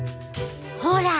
ほら！